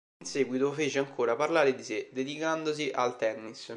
In seguito fece ancora parlare di sé dedicandosi al tennis.